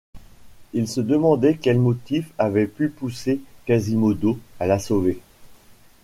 Il se demandait quel motif avait pu pousser Quasimodo à la sauver.